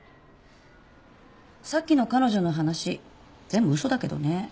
さっきの彼女の話全部嘘だけどね。